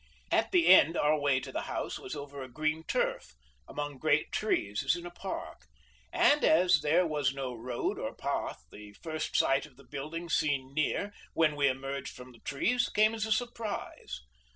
At the end our way to the house was over a green turf, among great trees as in a park; and as there was no road or path, the first sight of the building seen near, when we emerged from the trees, came as a surprise.